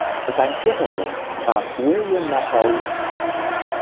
Sein vierter Sohn war William Nassau Lees.